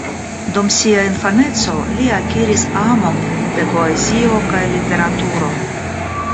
Dum sia infaneco li akiris amon de poezio kaj literaturo.